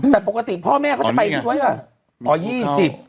แต่ปกติพ่อแม่เขาจะไปอีกไว้อ่ะอ๋อ๒๐